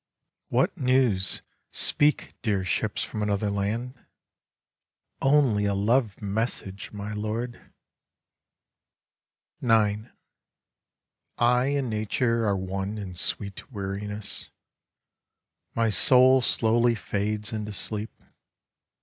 " What news, speak, dear ships from another land ?"" Only a love message, my lord I " IX I and Nature are one \n sweet weariness : my soul slowly fades into Sleep.